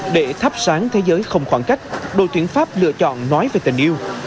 để thắp sáng thế giới không khoảng cách đội tuyển pháp lựa chọn nói về tình yêu